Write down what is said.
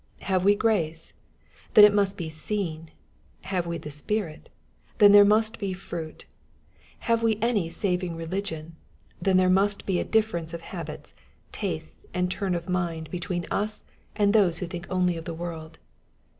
Have we grace ? Then it must be seen* Have we the Spirit ? Then there must be fruitf Have we any saving religion ? Then there must be a difference of habits, tastes, and turn of mind, Detween us and those who think only of the world.